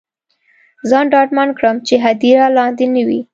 ځان ډاډمن کړم چې هدیره لاندې نه وي.